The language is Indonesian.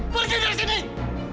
pergi dari sini